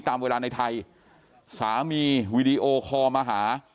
ตามเวลาในไทยสามีวีดีโอคอลมาหา